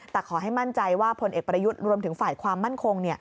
แต่ขอให้มั่นใจว่าผลเอกประยุทธ์รวมถึงฝ่ายความมั่นคง